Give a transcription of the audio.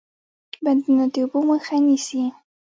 بندونه د اوبو مخه نیسي